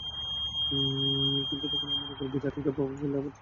কিন্তু তখন আমার ওপর বিরাট একটা প্রভাব ফেলল অমর্ত্য সেনের লেকচার।